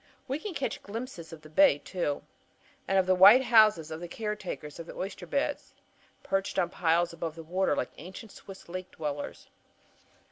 We can catch glimpses of the bay, too, and of the white houses of the caretakers of the oyster beds perched on piles above the water like ancient Swiss lake dwellers.